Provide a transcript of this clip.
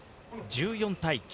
１４対８。